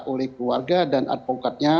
oleh keluarga dan advokatnya